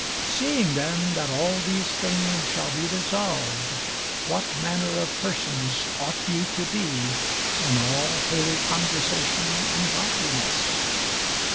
Seeing then that all these things shall be dissolved, what manner of persons ought ye to be in all holy conversation and godliness?